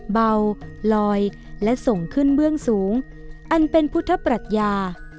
เบาลอยและส่งขึ้นเบื้องสูงอันเป็นพุทธปรัชญา